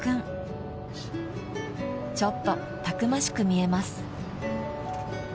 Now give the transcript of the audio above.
［ちょっとたくましく見えます］